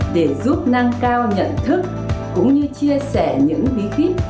để giúp nâng cao nhận thức cũng như chia sẻ những bí kíp